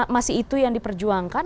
masih itu yang diperjuangkan